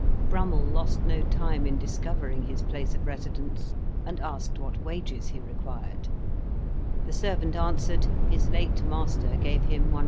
Brummell lost no time in discovering his place of residence, and asked what wages he required; the servant answered, his late master gave him 150£.